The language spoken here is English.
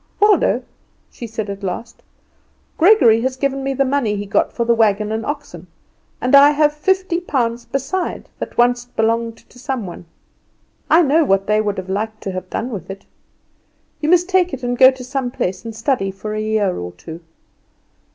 "Waldo," she said at last, "Gregory has given me the money he got for the wagon and oxen, and I have fifty pounds besides that once belonged to some one. I know what they would have liked to have done with it. You must take it and go to some place and study for a year or two."